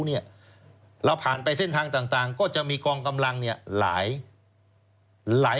เราผ่านไปเส้นทางต่างก็จะมีกองกำลังหลาย